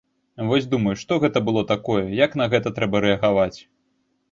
Вось думаю, што гэта было такое, як на гэта трэба рэагаваць.